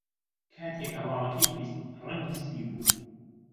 کاتێک هەواڵەکەی بیست، ڕەنگی سپی بوو.